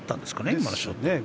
今のショットは。